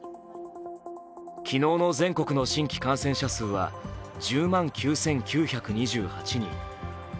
昨日の全国の新規感染者数は１０万９９２８人。